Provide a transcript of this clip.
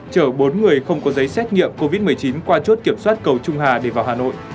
chở bốn người không có giấy xét nghiệm covid một mươi chín qua chốt kiểm soát cầu trung hà để vào hà nội